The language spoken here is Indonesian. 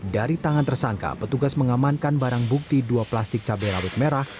dari tangan tersangka petugas mengamankan barang bukti dua plastik cabai rawit merah